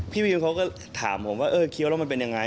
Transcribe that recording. พี่วิวเขาก็ถามผมว่าเออเคี้ยวแล้วมันเป็นยังไง